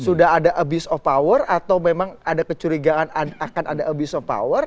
sudah ada abuse of power atau memang ada kecurigaan akan ada abuse of power